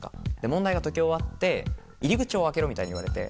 問題が解き終わって入り口を開けろみたいに言われて。